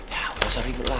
ya gak usah ribet lah